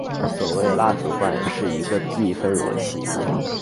所谓蜡烛罐是一个密封容器。